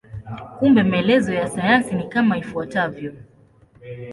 Kumbe maelezo ya sayansi ni kama ifuatavyo.